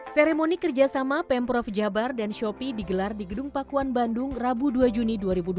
seremoni kerjasama pemprov jabar dan shopee digelar di gedung pakuan bandung rabu dua juni dua ribu dua puluh